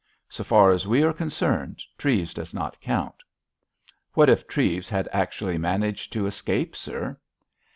So far as we are concerned, Treves does not count." "What if Treves had actually managed to escape, sir?"